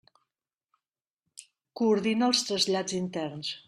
Coordina els trasllats interns.